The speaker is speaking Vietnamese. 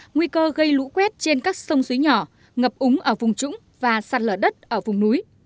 nguy cơ gây lũ quét trên các sông suối nhỏ ngập úng ở vùng trũng và sạt lở đất ở vùng núi